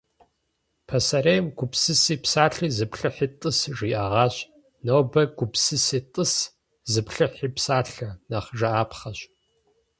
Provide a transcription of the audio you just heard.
Пасэрейм «гупсыси псалъэ, зыплъыхьи тӏыс» жиӏэгъащ. Нобэ «гупсыси тӏыс, зыплъыхьи псалъэ» нэхъ жыӏапхъэщ.